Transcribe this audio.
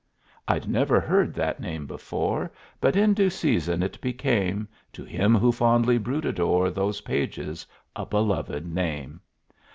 I'd never heard that name before, But in due season it became To him who fondly brooded o'er Those pages a beloved name!